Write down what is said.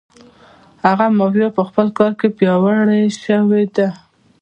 هغه مافیا په خپل کار کې پیاوړې شوې ده.